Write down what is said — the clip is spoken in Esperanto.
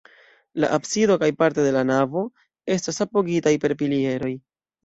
La absido kaj parte la navo estas apogitaj per pilieroj.